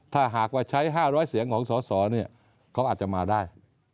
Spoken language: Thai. ถ้าหากว่าใช้๕๐๐เสียงของสอสอเขาอาจจะมาได้